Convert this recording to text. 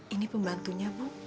ini pembantunya bu